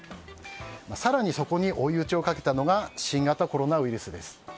更にそこに追い打ちをかけたのが新型コロナウイルスです。